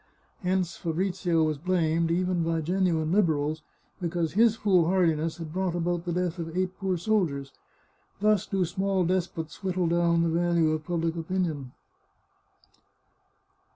Hence Fabrizio was blamed, even by genuine Liberals, because his foolhardiness had brought about the death of eight poor soldiers. Thus do small despots whittle down the value of public opinion.